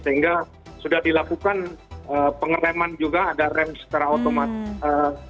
sehingga sudah dilakukan pengereman juga ada rem secara otomatis